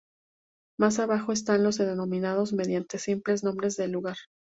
Más abajo están los denominados mediante simples nombres de lugar.